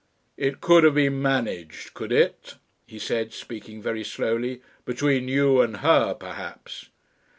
"It could have been managed could it?" he said, speaking very slowly. "Between you and her, perhaps."